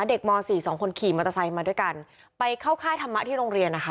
มสี่สองคนขี่มอเตอร์ไซค์มาด้วยกันไปเข้าค่ายธรรมะที่โรงเรียนนะคะ